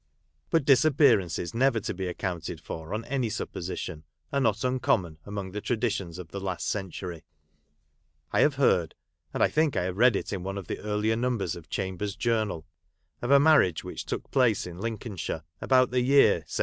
But disappearances never to be accounted for on any supposition, are not uncommon, among the traditions of the last century. I have heard, (and I think I have read it in one of the earlier numbers of" Chambers's Journal ") of a marriage which took place in Lincolnshire about the year 1750.